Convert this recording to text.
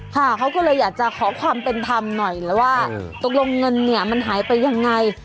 ค่ะเขาก็เลยอยากจะขอความเป็นธรรมหน่อยแล้วว่าตกลงเงินเนี่ยมันหายไปยังไง